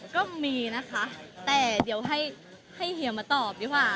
ก็มีนะคะแต่เดี๋ยวให้เฮียมาตอบดีกว่า